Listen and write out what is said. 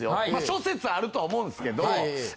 諸説あるとは思うんですけど。